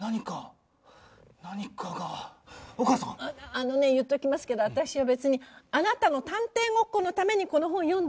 あのね言っときますけど私は別にあなたの探偵ごっこのためにこの本を読んだわけじゃないんですから。